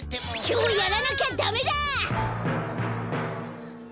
きょうやらなきゃダメだ！